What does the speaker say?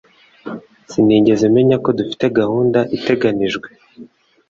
Sinigeze menya ko dufite gahunda iteganijwe